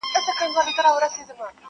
ما هم لرله په زړه کي مینه -